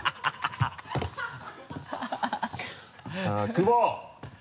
久保。